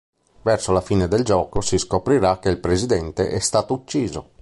Verso la fine del gioco si scoprirà che il presidente è stato ucciso.